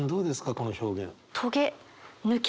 この表現。